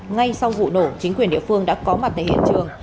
ngay sau vụ nổ chính quyền địa phương đã có mặt tại hiện trường